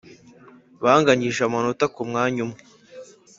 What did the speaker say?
banganyije amanota ku mwanya umwe,